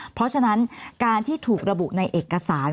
เพราะฉะนั้นการที่ถูกระบุในเอกสาร